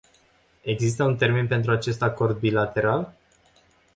Există un termen pentru acest acord bilateral?